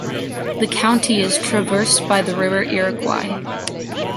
The county is traversed by the River Iroquois.